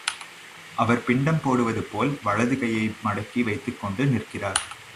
அவர் பிண்டம் போடுவது போல் வலதுகையை மடக்கி வைத்துக்கொண்டு நிற்கிறார்.